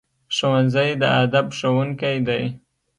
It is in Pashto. ښوونځی د ادب ښوونکی دی